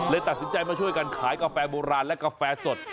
ตัดสินใจมาช่วยกันขายกาแฟโบราณและกาแฟสด